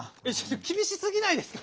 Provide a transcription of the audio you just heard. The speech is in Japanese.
きびしすぎないですか？